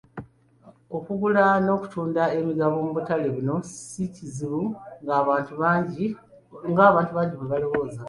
Okugula n'okutunda emigabo mu butale buno si kizibu ng'abantu bangi bwe balowooza.